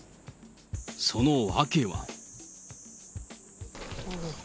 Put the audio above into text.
その訳は。